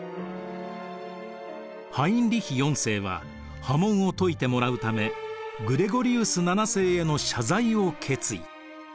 ハインリヒ４世は破門を解いてもらうためグレゴリウス７世への謝罪を決意。